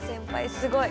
すごい！